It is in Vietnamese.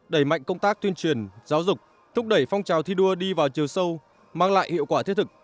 đẩy mạnh công tác tuyên truyền giáo dục thúc đẩy phong trào thi đua đi vào chiều sâu mang lại hiệu quả thiết thực